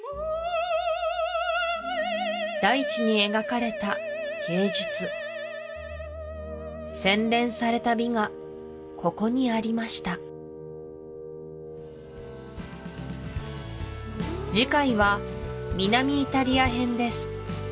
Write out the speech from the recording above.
大地に描かれた芸術洗練された美がここにありました次回は南イタリア編です